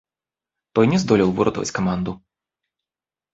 Той не здолеў выратаваць каманду.